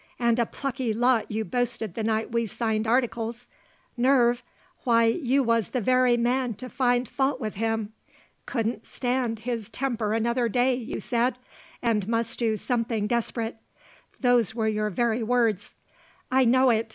An' a plucky lot you boasted the night we signed articles. ... Nerve? Why, you was the very man to find fault with him. 'Couldn't stand his temper another day,' you said; and must do something desprit. Those were your very words." "I know it.